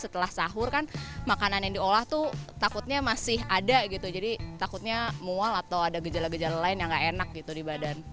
setelah sahur kan makanan yang diolah tuh takutnya masih ada gitu jadi takutnya mual atau ada gejala gejala lain yang gak enak gitu di badan